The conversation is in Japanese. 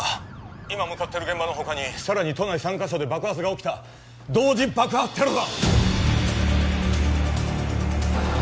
今向かってる現場の他にさらに都内３カ所で爆発が起きた同時爆破テロだ！